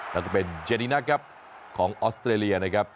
แล้วก็เป็นเจดีนะครับของออสเตรเลียนะครับ